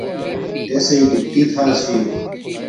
اݵسئ ڈِپٹݵ تھݳ چھݵ.